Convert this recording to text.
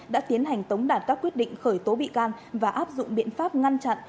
đã tiến hành tống đạt các quyết định khởi tố bị can và áp dụng biện pháp ngăn chặn